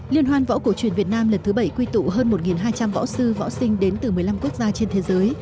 liên hoan võ cổ truyền việt nam lần thứ bảy quy tụ hơn một hai trăm linh võ sư võ sinh đến từ một mươi năm quốc gia trên thế giới